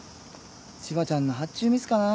千葉ちゃんの発注ミスかな。